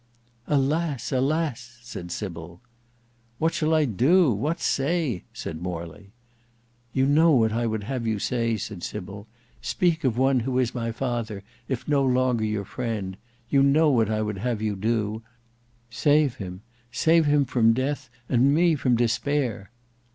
"Alas! alas!" said Sybil. "What shall I do? what say?" said Morley. "You know what I would have you say," said Sybil. "Speak of one who is my father, if no longer your friend: you know what I would have you do—save him: save him from death and me from despair."